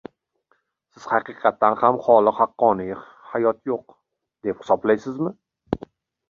— Siz haqiqatdan xoli haqqoniy hayot yo‘q, deb hisoblaysizmi?